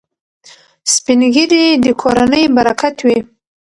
سپین ږیري د کورنۍ برکت وي.